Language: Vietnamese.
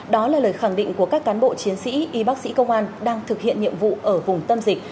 đó là lời khẳng định của các cán bộ chiến sĩ y bác sĩ công an đang thực hiện nhiệm vụ ở vùng tâm dịch